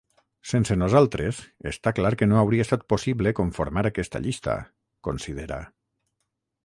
Sense nosaltres està clar que no hauria estat possible conformar aquesta llista, considera.